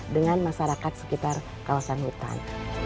dengan masyarakat sekitar kawasan hutan